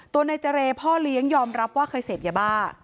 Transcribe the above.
ตัวนายเจรพ่อเลี้ยงยอมรับว่าเคยเสพยาบ้า